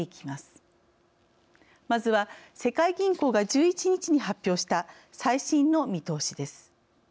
まずは世界銀行が１１日に発表した最新の見通しです。